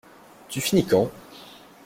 Tu finis quand?